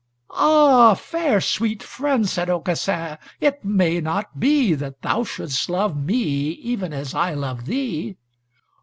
"Ah, fair sweet friend," said Aucassin, "it may not be that thou shouldst love me even as I love thee.